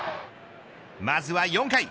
まずは４回。